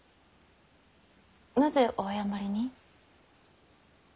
なぜお謝りに？